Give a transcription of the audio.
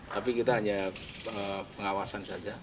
tapi kita hanya pengawasan saja